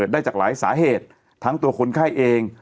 ได้จากหลายสาเหตุทั้งตัวคนไข้เอง